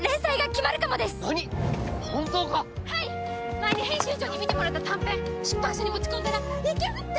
前に編集長に見てもらった短編出版社に持ち込んだらいけるって！